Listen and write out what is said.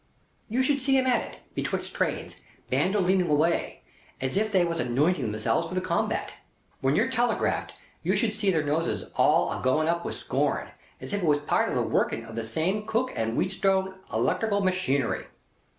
You should see 'em at it, betwixt trains, Bandolining away, as if they was anointing themselves for the combat. When you're telegraphed, you should see their noses all a going up with scorn, as if it was a part of the working of the same Cooke and Wheatstone electrical machinery.